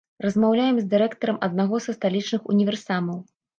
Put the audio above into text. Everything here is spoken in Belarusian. Размаўляем з дырэктарам аднаго са сталічных універсамаў.